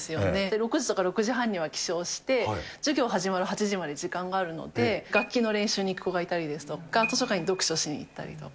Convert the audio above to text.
６時とか６時半には起床して、授業始まる８時まで時間があるので、楽器の練習に行く子がいたりですとか、図書館に読書しに行ったりとか。